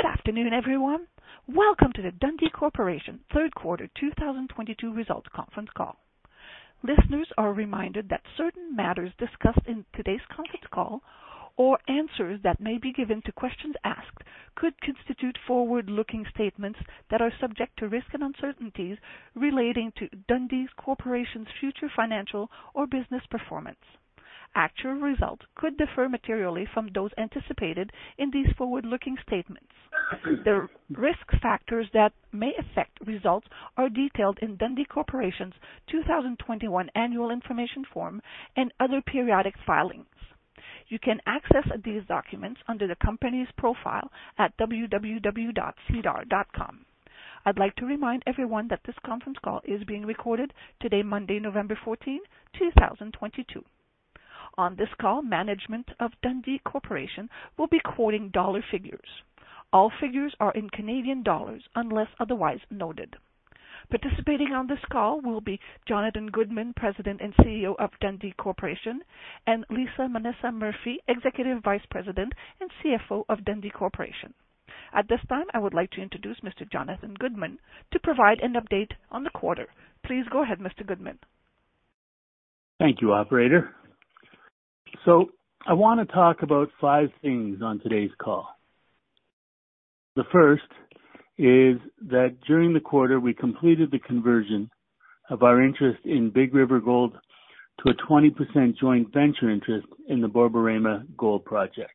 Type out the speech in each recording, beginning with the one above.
Good afternoon, everyone. Welcome to the Dundee Corporation third quarter 2022 results conference call. Listeners are reminded that certain matters discussed in today's conference call or answers that may be given to questions asked could constitute forward-looking statements that are subject to risks and uncertainties relating to Dundee Corporation's future financial or business performance. Actual results could differ materially from those anticipated in these forward-looking statements. The risk factors that may affect results are detailed in Dundee Corporation's 2021 annual information form and other periodic filings. You can access these documents under the company's profile at www.sedar.com. I'd like to remind everyone that this conference call is being recorded today, Monday, November 14, 2022. On this call, management of Dundee Corporation will be quoting dollar figures. All figures are in Canadian dollars, unless otherwise noted. Participating on this call will be Jonathan Goodman, President and CEO of Dundee Corporation, and Lila A. Manassa Murphy, Executive Vice President and CFO of Dundee Corporation. At this time, I would like to introduce Mr. Jonathan Goodman to provide an update on the quarter. Please go ahead, Mr. Goodman. Thank you, operator. I want to talk about five things on today's call. The first is that during the quarter, we completed the conversion of our interest in Big River Gold to a 20% joint venture interest in the Borborema Gold Project.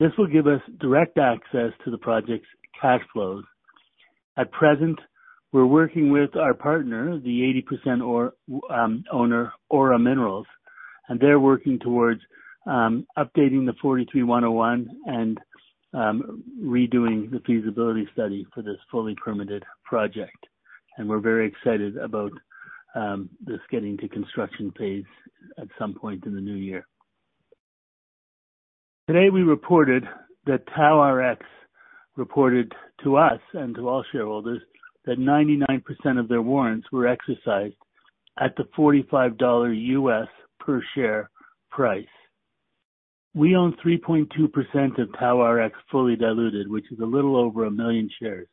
This will give us direct access to the project's cash flows. At present, we're working with our partner, the 80% owner, Aura Minerals, and they're working towards updating the NI 43-101 and redoing the feasibility study for this fully permitted project. We're very excited about this getting to construction phase at some point in the new year. Today, we reported that TauRx reported to us and to all shareholders that 99% of their warrants were exercised at the $45 US per share price. We own 3.2% of TauRx fully diluted, which is a little over a million shares.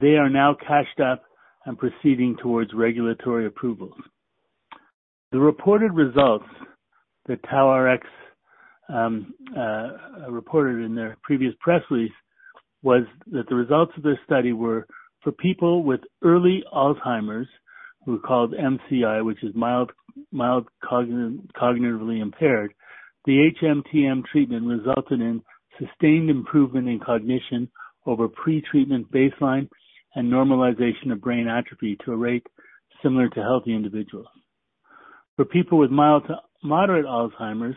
They are now cashed up and proceeding towards regulatory approvals. The reported results that TauRx reported in their previous press release was that the results of this study were for people with early Alzheimer's, who are called MCI, which is mild cognitively impaired. The HMTM treatment resulted in sustained improvement in cognition over pretreatment baseline and normalization of brain atrophy to a rate similar to healthy individuals. For people with mild to moderate Alzheimer's,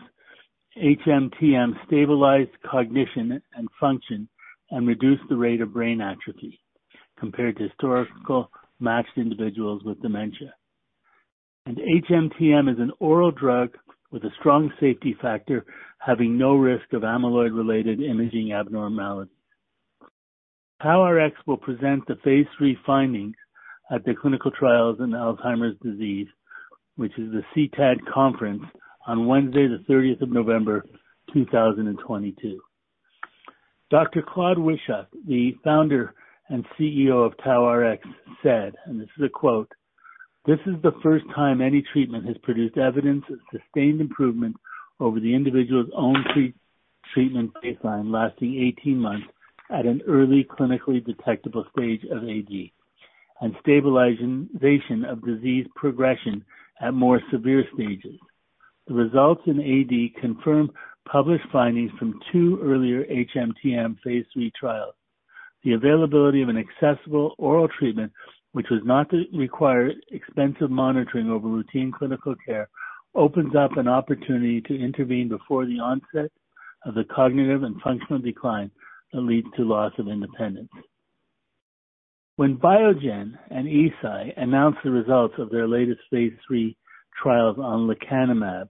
HMTM stabilized cognition and function and reduced the rate of brain atrophy compared to historical matched individuals with dementia. HMTM is an oral drug with a strong safety factor, having no risk of amyloid-related imaging abnormalities. TauRx will present the phase III findings at the Clinical Trials on Alzheimer's Disease, which is the CTAD conference on Wednesday, the 30th of November, 2022. Dr. Claude Wischik, the founder and CEO of TauRx, said, and this is a quote, "This is the first time any treatment has produced evidence of sustained improvement over the individual's own pre-treatment baseline lasting 18 months at an early clinically detectable stage of AD, and stabilization of disease progression at more severe stages. The results in AD confirm published findings from two earlier HMTM phase III trials. The availability of an accessible oral treatment, which does not require expensive monitoring over routine clinical care, opens up an opportunity to intervene before the onset of the cognitive and functional decline that leads to loss of independence. When Biogen and Eisai announced the results of their latest phase III trials on lecanemab,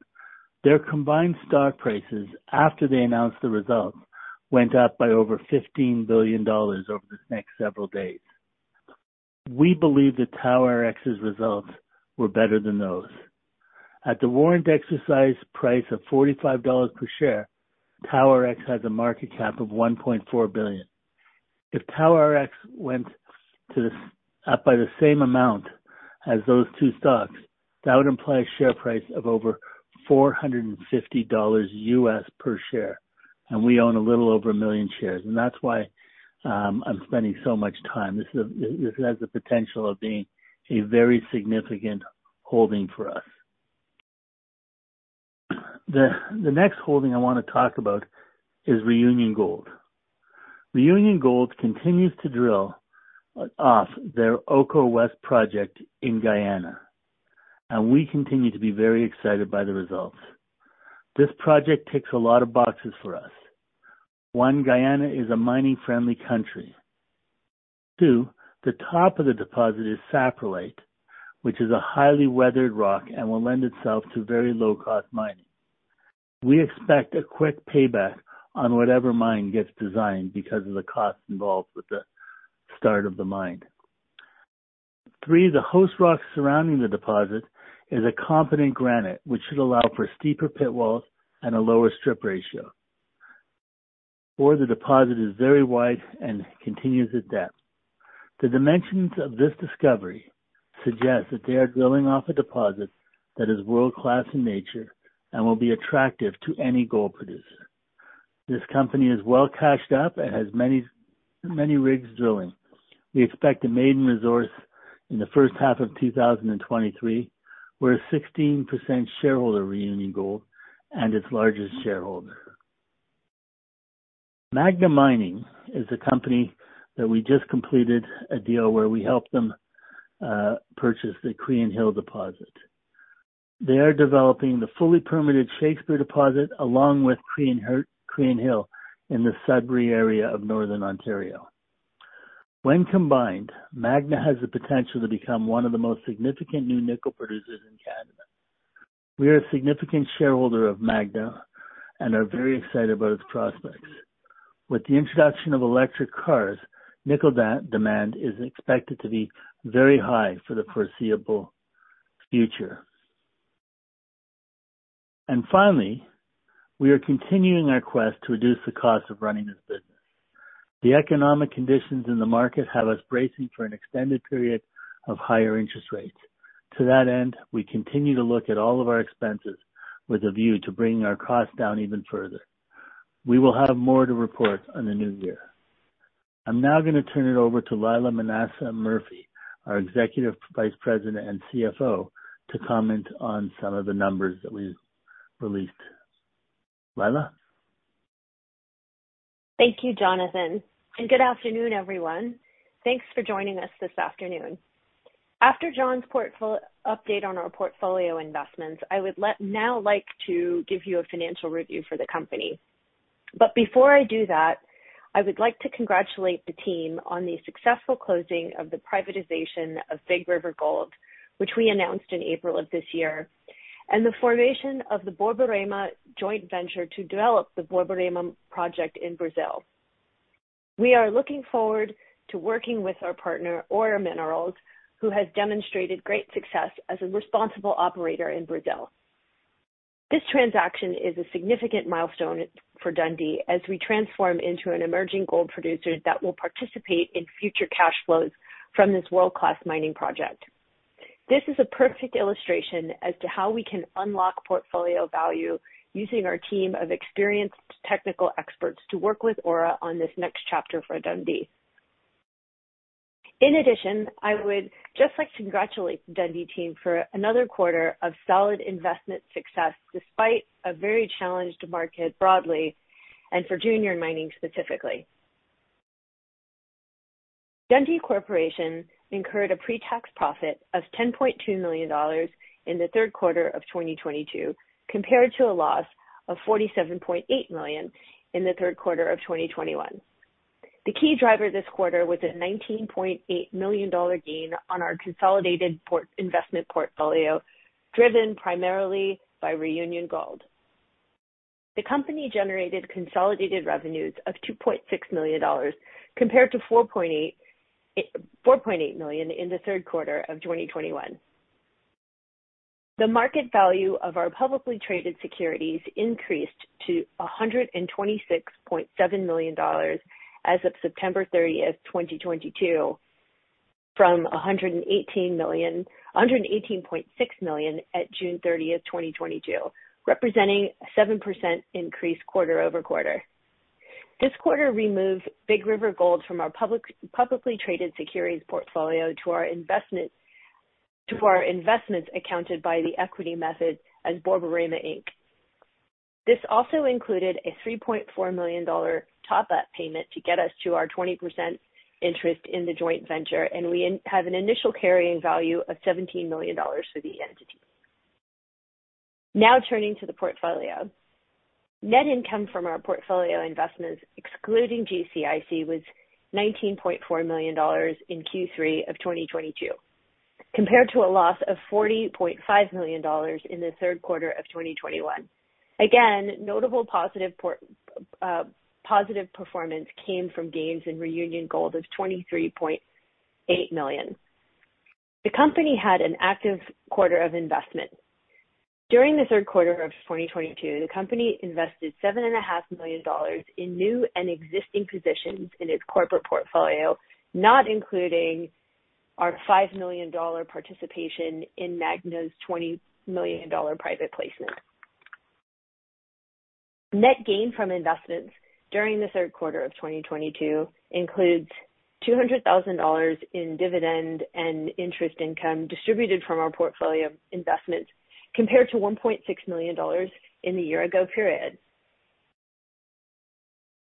their combined stock prices after they announced the results went up by over $15 billion over the next several days. We believe that TauRx's results were better than those. At the warrant exercise price of $45 per share, TauRx has a market cap of $1.4 billion. If TauRx went by the same amount as those two stocks, that would imply a share price of over $450 US per share. We own a little over 1 million shares. That's why I'm spending so much time. This has the potential of being a very significant holding for us. The next holding I want to talk about is Reunion Gold. Reunion Gold continues to drill off their Oko West project in Guyana, and we continue to be very excited by the results. This project ticks a lot of boxes for us. One, Guyana is a mining-friendly country. Two, the top of the deposit is saprolite, which is a highly weathered rock and will lend itself to very low-cost mining. We expect a quick payback on whatever mine gets designed because of the cost involved with the start of the mine. Three, the host rock surrounding the deposit is a competent granite, which should allow for steeper pit walls and a lower strip ratio. Four, the deposit is very wide and continues at depth. The dimensions of this discovery suggest that they are drilling off a deposit that is world-class in nature and will be attractive to any gold producer. This company is well cashed up and has many, many rigs drilling. We expect a maiden resource in the first half of 2023. We're a 16% shareholder of Reunion Gold and its largest shareholder. Magna Mining is a company that we just completed a deal where we helped them purchase the Crean Hill deposit. They are developing the fully permitted Shakespeare deposit along with Crean Hill in the Sudbury area of northern Ontario. When combined, Magna has the potential to become one of the most significant new nickel producers in Canada. We are a significant shareholder of Magna and are very excited about its prospects. With the introduction of electric cars, nickel de-demand is expected to be very high for the foreseeable future. Finally, we are continuing our quest to reduce the cost of running this business. The economic conditions in the market have us bracing for an extended period of higher interest rates. To that end, we continue to look at all of our expenses with a view to bringing our costs down even further. We will have more to report on the new year. I'm now gonna turn it over to Lila A. Manassa Murphy, our Executive Vice President and CFO, to comment on some of the numbers that we released. Lila? Thank you, Jonathan, and good afternoon, everyone. Thanks for joining us this afternoon. After Jon's update on our portfolio investments, I would now like to give you a financial review for the company. Before I do that, I would like to congratulate the team on the successful closing of the privatization of Big River Gold, which we announced in April of this year, and the formation of the Borborema joint venture to develop the Borborema project in Brazil. We are looking forward to working with our partner, Aura Minerals, who has demonstrated great success as a responsible operator in Brazil. This transaction is a significant milestone for Dundee as we transform into an emerging gold producer that will participate in future cash flows from this world-class mining project. This is a perfect illustration as to how we can unlock portfolio value using our team of experienced technical experts to work with Aura on this next chapter for Dundee. In addition, I would just like to congratulate the Dundee team for another quarter of solid investment success, despite a very challenged market broadly and for junior mining specifically. Dundee Corporation incurred a pre-tax profit of 10.2 million dollars in the third quarter of 2022, compared to a loss of 47.8 million in the third quarter of 2021. The key driver this quarter was a 19.8 million dollar gain on our consolidated investment portfolio, driven primarily by Reunion Gold. The company generated consolidated revenues of 2.6 million dollars compared to 4.8 million in the third quarter of 2021. The market value of our publicly traded securities increased to 126.7 million dollars as of September 30, 2022, from 118.6 million at June 30, 2022, representing a 7% increase quarter-over-quarter. This quarter removed Big River Gold from our publicly traded securities portfolio to our investments accounted for by the equity method as Borborema Inc. This also included a 3.4 million dollar top-up payment to get us to our 20% interest in the joint venture, and we have an initial carrying value of 17 million dollars for the entity. Now turning to the portfolio. Net income from our portfolio investments, excluding GCIC, was 19.4 million dollars in Q3 of 2022, compared to a loss of 40.5 million dollars in the third quarter of 2021. Again, notable positive performance came from gains in Reunion Gold of 23.8 million. The company had an active quarter of investment. During the third quarter of 2022, the company invested 7.5 Million dollars in new and existing positions in its corporate portfolio, not including our 5 million dollar participation in Magna's 20 million dollar private placement. Net gain from investments during the third quarter of 2022 includes CAD 200 thousand in dividend and interest income distributed from our portfolio investments, compared to 1.6 million dollars in the year-ago period.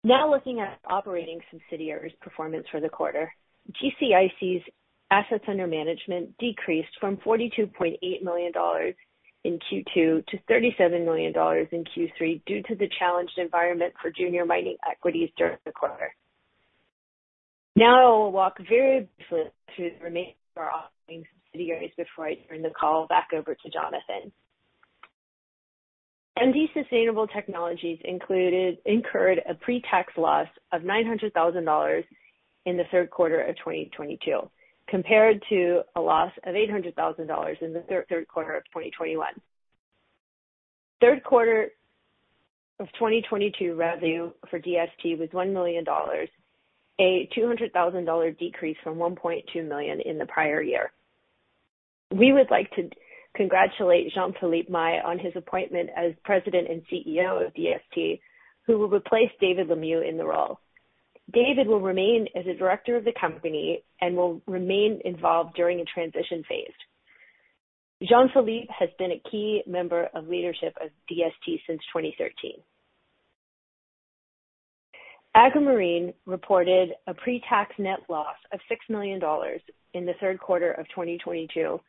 Now looking at operating subsidiaries performance for the quarter. GCIC's assets under management decreased from 42.8 million dollars in Q2 to 37 million dollars in Q3 due to the challenged environment for junior mining equities during the quarter. Now I'll walk very briefly through the remaining of our operating subsidiaries before I turn the call back over to Jonathan. Dundee Sustainable Technologies Inc. incurred a pre-tax loss of 900,000 dollars in the third quarter of 2022, compared to a loss of 800,000 dollars in the third quarter of 2021. Third quarter of 2022 revenue for DST was CAD 1 million, a CAD 200,000 decrease from CAD 1.2 million in the prior year. We would like to congratulate Jean-Philippe Mai on his appointment as President and CEO of DST, who will replace David Lemieux in the role. David Lemieux will remain as a director of the company and will remain involved during a transition phase. Jean-Philippe Mai has been a key member of leadership of DST since 2013. AgriMarine reported a pre-tax net loss of 6 million dollars in the third quarter of 2022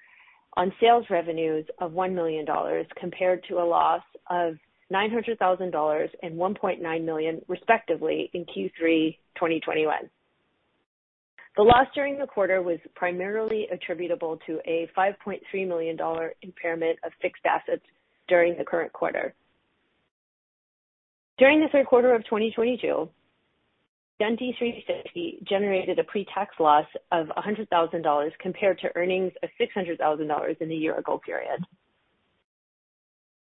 on sales revenues of 1 million dollars, compared to a loss of 900,000 dollars and 1.9 million, respectively, in Q3 2021. The loss during the quarter was primarily attributable to a 5.3 million-dollar impairment of fixed assets during the current quarter. During the third quarter of 2022, Dundee 360 generated a pre-tax loss of 100,000 dollars compared to earnings of 600,000 dollars in the year-ago period.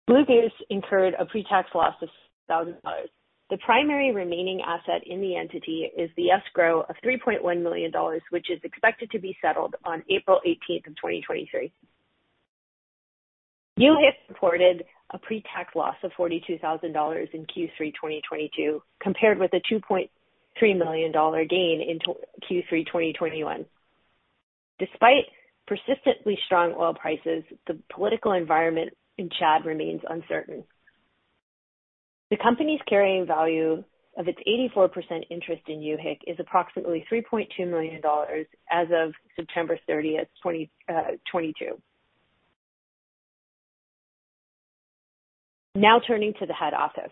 Blue Goose incurred a pre-tax loss of 1,000 dollars. The primary remaining asset in the entity is the escrow of 3.1 million dollars, which is expected to be settled on April 18th of 2023. You have reported a pre-tax loss of 42,000 dollars in Q3 2022, compared with a 2.3 million dollar gain in Q3 2021. Despite persistently strong oil prices, the political environment in Chad remains uncertain. The company's carrying value of its 84% interest in UHIC is approximately 3.2 million dollars as of September 30th, 2022. Now turning to the head office.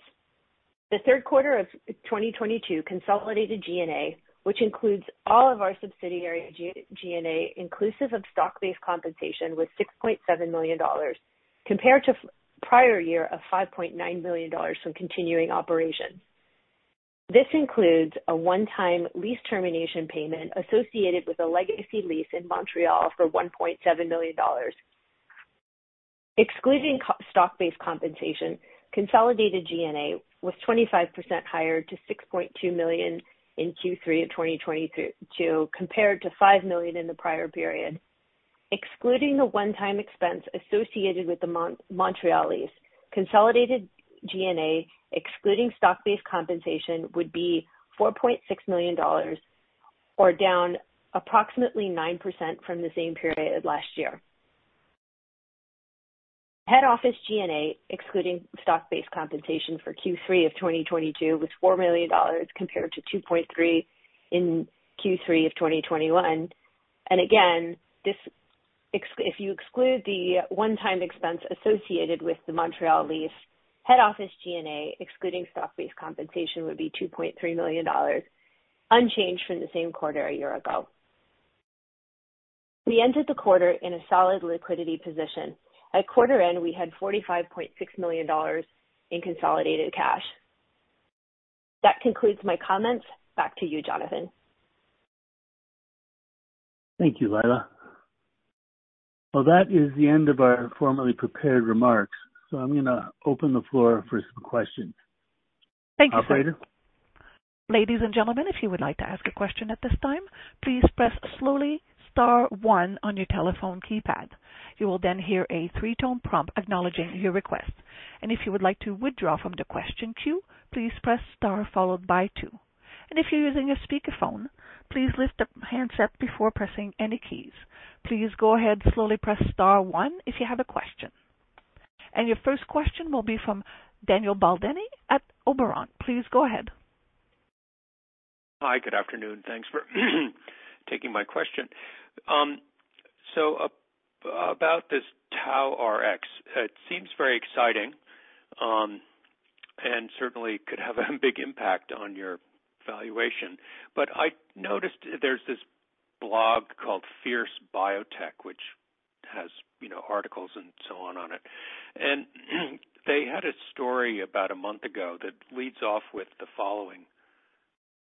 The third quarter of 2022 consolidated G&A, which includes all of our subsidiary G&A inclusive of stock-based compensation, was 6.7 million dollars, compared to prior year of 5.9 million dollars from continuing operations. This includes a one-time lease termination payment associated with a legacy lease in Montreal for 1.7 million dollars. Excluding stock-based compensation, consolidated G&A was 25% higher to 6.2 million in Q3 of 2022, compared to 5 million in the prior period. Excluding the one-time expense associated with the Montreal lease, consolidated G&A, excluding stock-based compensation, would be 4.6 million dollars or down approximately 9% from the same period last year. Head office G&A, excluding stock-based compensation for Q3 of 2022, was 4 million dollars compared to 2.3 million in Q3 of 2021. Again, if you exclude the one-time expense associated with the Montreal lease, head office G&A, excluding stock-based compensation, would be 2.3 million dollars, unchanged from the same quarter a year ago. We ended the quarter in a solid liquidity position. At quarter end, we had 45.6 million dollars in consolidated cash. That concludes my comments. Back to you, Jonathan. Thank you, Lila. Well, that is the end of our formally prepared remarks, so I'm gonna open the floor for some questions. Thank you. Operator. Ladies and gentlemen, if you would like to ask a question at this time, please press slowly star one on your telephone keypad. You will then hear a three-tone prompt acknowledging your request. If you would like to withdraw from the question queue, please press star followed by two. If you're using a speakerphone, please lift the handset before pressing any keys. Please go ahead, slowly press star one if you have a question. Your first question will be from Daniel Baldini at Oberon. Please go ahead. Hi. Good afternoon. Thanks for taking my question. So about this TauRx, it seems very exciting, and certainly could have a big impact on your valuation. I noticed there's this blog called Fierce Biotech, which has, you know, articles and so on on it. They had a story about a month ago that leads off with the following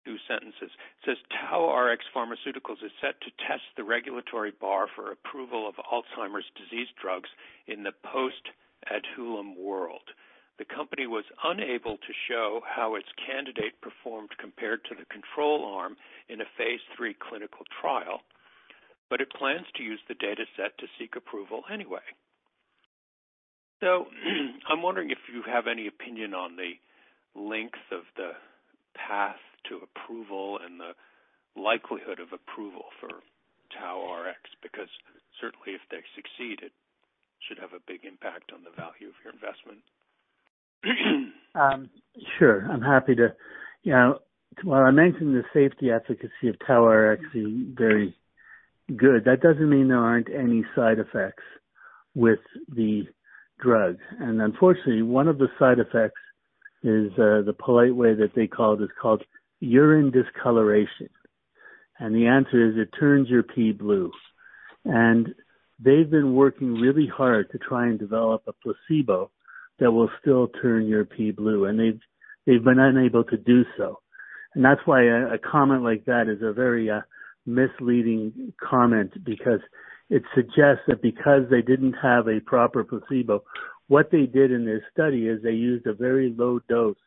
two sentences. It says, "TauRx Pharmaceuticals Ltd is set to test the regulatory bar for approval of Alzheimer's disease drugs in the post Aduhelm world. The company was unable to show how its candidate performed compared to the control arm in a phase III clinical trial, but it plans to use the dataset to seek approval anyway. I'm wondering if you have any opinion on the length of the path to approval and the likelihood of approval for TauRx Therapeutics, because certainly if they succeed, it should have a big impact on the value of your investment? Sure. You know, while I mentioned the safety efficacy of TauRx is very good, that doesn't mean there aren't any side effects with the drug. Unfortunately, one of the side effects is the polite way that they call it. It's called urine discoloration. The answer is it turns your pee blue. They've been working really hard to try and develop a placebo that will still turn your pee blue, and they've been unable to do so. That's why a comment like that is a very misleading comment because it suggests that because they didn't have a proper placebo, what they did in this study is they used a very low dose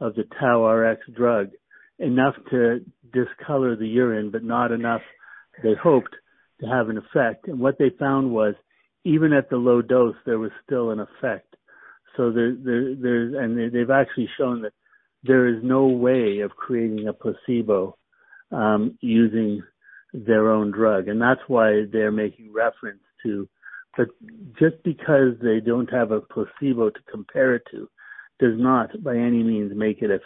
of the TauRx drug, enough to discolor the urine, but not enough, they hoped, to have an effect. What they found was, even at the low dose, there was still an effect. They've actually shown that there is no way of creating a placebo using their own drug, and that's why they're making reference to. Just because they don't have a placebo to compare it to does not by any means make it a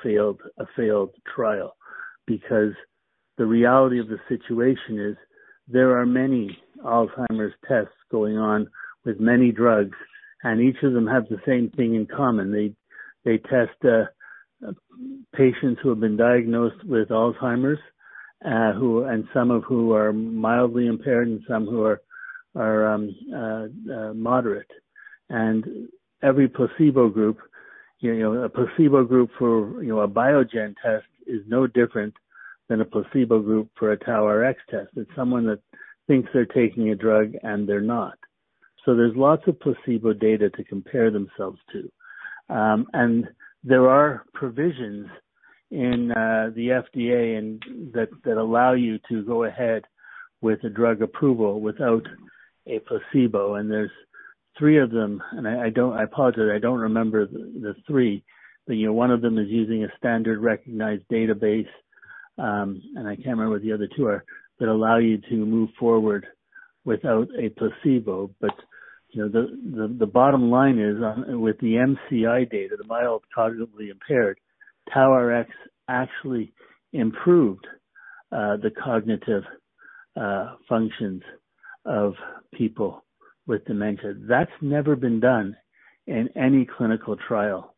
failed trial. Because the reality of the situation is there are many Alzheimer's tests going on with many drugs, and each of them have the same thing in common. They test patients who have been diagnosed with Alzheimer's, and some of whom are mildly impaired and some who are moderate. Every placebo group, you know, a placebo group for, you know, a Biogen test is no different than a placebo group for a TauRx test. It's someone that thinks they're taking a drug and they're not. There's lots of placebo data to compare themselves to. There are provisions in the FDA and that allow you to go ahead with a drug approval without a placebo. There's three of them, and I don't—I apologize, I don't remember the three. You know, one of them is using a standard recognized database, and I can't remember what the other two are, that allow you to move forward without a placebo. You know, the bottom line is with the MCI data, the mild cognitively impaired, TauRx actually improved the cognitive functions of people with dementia. That's never been done in any clinical trial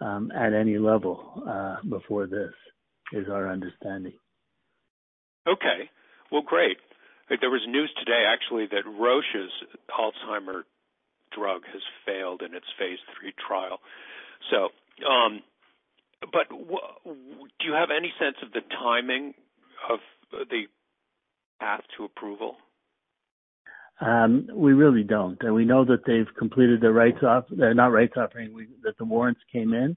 at any level before this, is our understanding. Okay. Well, great. There was news today actually that Roche's Alzheimer's drug has failed in its phase III trial. Do you have any sense of the timing of the path to approval? We really don't. We know that they've completed their rights offering, that the warrants came in.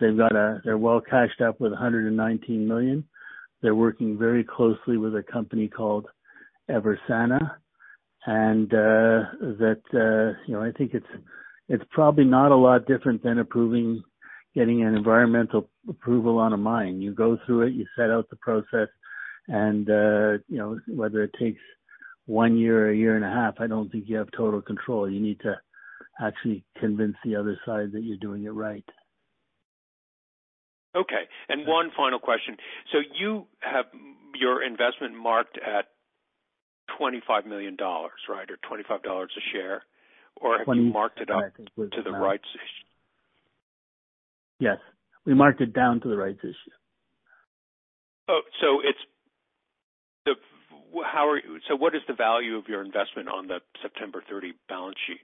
They've got a, they're well cashed up with 119 million. They're working very closely with a company called EVERSANA. That, you know, I think it's probably not a lot different than getting an environmental approval on a mine. You go through it, you set out the process, and, you know, whether it takes one year or a year and a half, I don't think you have total control. You need to actually convince the other side that you're doing it right. Okay. One final question. You have your investment marked at 25 million dollars, right? Or 25 dollars a share? Or have you marked it up to the rights issue? Yes. We marked it down to the rights issue. What is the value of your investment on the September 30 balance sheet?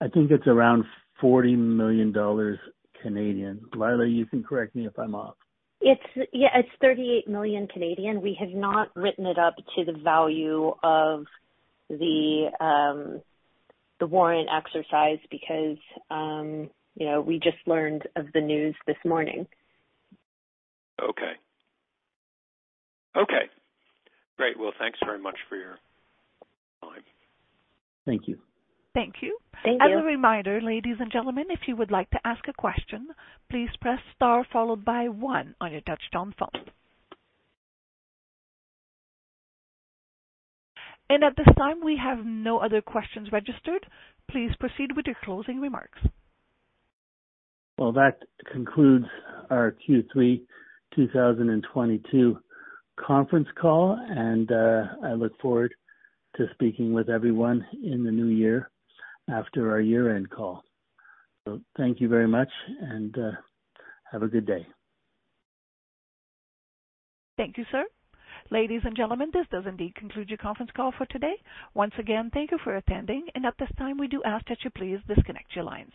I think it's around 40 million dollars. Lila, you can correct me if I'm off. It's 38 million. We have not written it up to the value of the warrant exercise because you know, we just learned of the news this morning. Okay. Okay, great. Well, thanks very much for your time. Thank you. Thank you. As a reminder, ladies and gentlemen, if you would like to ask a question, please press star followed by one on your touchtone phone. At this time, we have no other questions registered. Please proceed with your closing remarks. Well, that concludes our Q3 2022 conference call, and, I look forward to speaking with everyone in the new year after our year-end call. Thank you very much, and, have a good day. Thank you, sir. Ladies and gentlemen, this does indeed conclude your conference call for today. Once again, thank you for attending. At this time, we do ask that you please disconnect your lines.